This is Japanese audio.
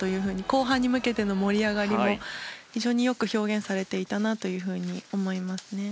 後半に向けての盛り上がりも非常によく表現されていたと思います。